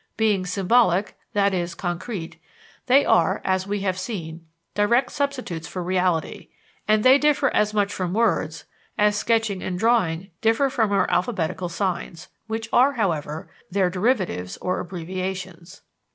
Being symbolic, i.e., concrete, they are, as we have seen, direct substitutes for reality, and they differ as much from words as sketching and drawing differ from our alphabetical signs, which are, however, their derivatives or abbreviations.